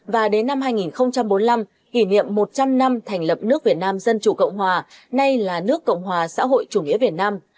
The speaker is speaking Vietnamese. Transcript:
và đến năm hai nghìn bốn mươi năm kỷ niệm một trăm linh năm thành lập nước việt nam dân chủ cộng hòa nay là nước cộng hòa xã hội chủ nghĩa việt nam